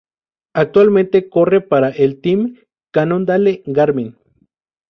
Actualmente corre para el Team Cannondale-Garmin.